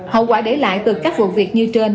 hậu quả để lại từ các vụ việc như trên